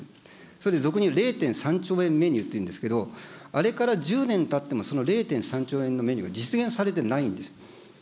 それで俗にいう０．３兆円メニューというんですけど、あれから１０年たっても０．３兆円のメニューが実現されてないんですよ。